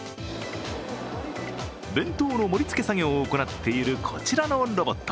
弁当の盛り付け作業を行っているこちらのロボット。